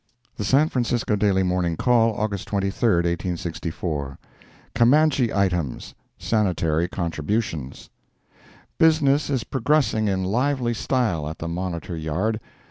The San Francisco Daily Morning Call, August 23, 1864 CAMANCHE ITEMS—SANITARY CONTRIBUTIONS Business is progressing in lively style at the Monitor Yard.